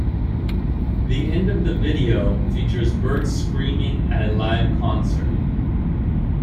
The end of the video features Bert's screaming at a live concert.